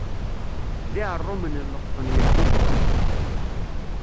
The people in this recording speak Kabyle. D iɛerrumen n leqṭen yelbubɣen.